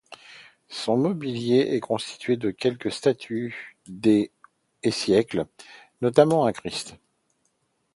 Son mobilier est constitué de quelques statues des et siècles, notamment un Christ.